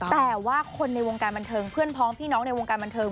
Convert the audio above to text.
แต่ว่าคนในวงการบันเทิงเพื่อนพ้องพี่น้องในวงการบันเทิง